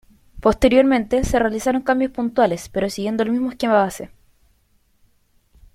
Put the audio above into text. Posteriormente, se realizaron cambios puntuales pero siguiendo el mismo esquema base.